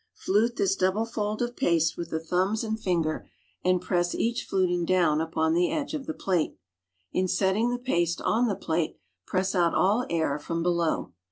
Flute this double fold of paste with the thumb and Gngcr and press each fluting down upou the edge of the plate. In setting the paste on the plate, press out all air from be low.